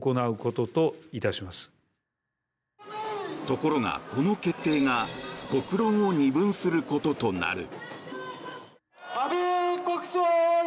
ところが、この決定が国論を二分することとなる。